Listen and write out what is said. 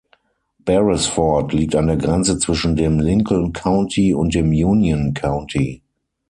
Beresford liegt an der Grenze zwischen dem Lincoln County und dem Union County.